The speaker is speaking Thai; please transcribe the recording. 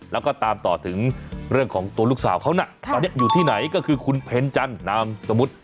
แล้วก็ตามต่อถึงเรื่องของตัวลูกสาวเขานะตอนนี้อยู่ที่ไหนก็คือคุณเพ็ญจันนามสมมุติ